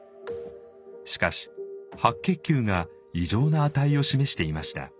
しかし白血球が異常な値を示していました。